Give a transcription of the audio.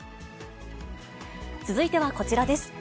続いてはこちらです。